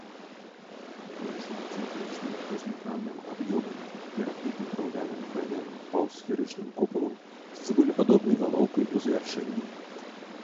Вырашана цэнтрычным васьмігранным аб'ёмам, перакрытым драўляным гранёным паўсферычным купалам з цыбулепадобнай галоўкай у завяршэнні.